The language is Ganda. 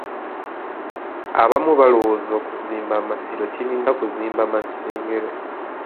Abamu balowooza okuzimba amasiro kiringa kuzimba Masengere.